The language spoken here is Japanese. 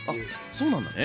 そうなんだね。